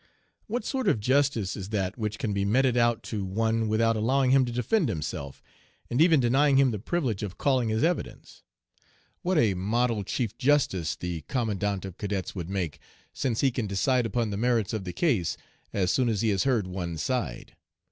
What sort of justice is that which can be meted out to one without allowing him to defend himself, and even denying him the privilege of calling his evidence? What a model Chief Justice the Commandant of Cadets would make, since he can decide upon the merits of the case as soon as he has heard one side.